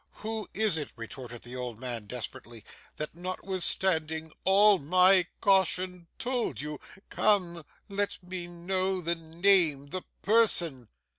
'Who is it,' retorted the old man desperately, 'that, notwithstanding all my caution, told you? Come. Let me know the name the person.